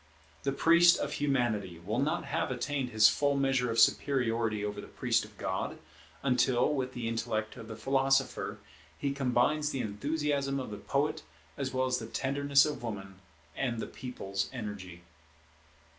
The priest of Humanity will not have attained his full measure of superiority over the priest of God, until, with the intellect of the Philosopher, he combines the enthusiasm of the Poet, as well as the tenderness of Woman, and the People's energy.